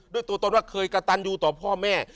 ตัวตนว่าเคยกระตันอยู่ต่อพ่อแม่